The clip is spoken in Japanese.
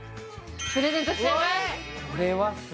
プレゼントしちゃいます。